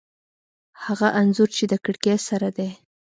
هغه انځور چې د کړکۍ سره دی